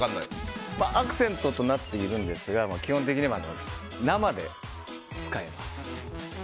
アクセントとなっているんですが、基本的には生で使えます。